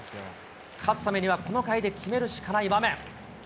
勝つためにはこの回で決めるしかない場面。